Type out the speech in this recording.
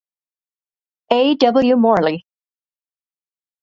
A. W. Morley.